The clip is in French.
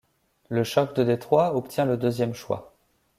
Le Shock de Détroit obtient le deuxième choix.